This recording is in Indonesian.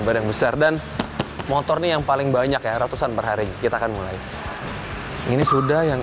barang besar dan motornya yang paling banyak ya ratusan perhari kita akan mulai ini sudah yang